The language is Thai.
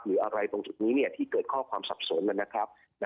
หรืออะไรตรงจุดนี้ที่เกิดข้อความสับสนนะครับ